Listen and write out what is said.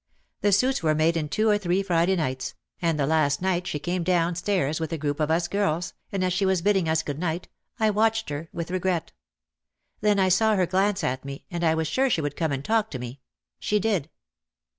The suits were made in two or three Friday nights, and the last night she came down stairs with a group of us girls, and as she was bidding us good night I watched her with regret. Then I saw her glance at me and I was sure she would come and talk to me. She did.